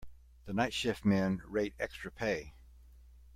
The night shift men rate extra pay.